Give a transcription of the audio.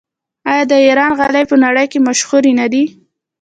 آیا د ایران غالۍ په نړۍ کې مشهورې نه دي؟